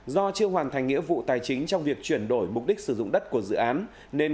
do chưa hoàn thành nghĩa vụ tài chính trong việc chuyển đổi mục đích sử dụng đất của dự án nên